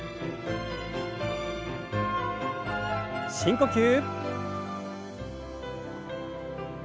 深呼吸。